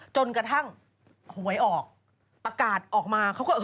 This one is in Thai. จนกระทั่งหวยออกประกาศออกมาเขาก็